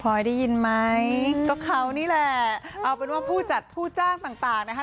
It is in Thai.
พอยได้ยินไหมก็เขานี่แหละเอาเป็นว่าผู้จัดผู้จ้างต่างต่างนะคะ